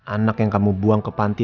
anak yang kamu buang ke panti